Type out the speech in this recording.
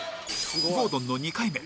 ゴードンの２回目